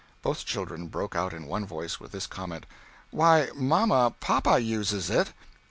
Both children broke out in one voice with this comment, "Why, mamma, papa uses it!"